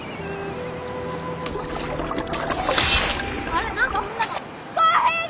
あれ何か踏んだかな？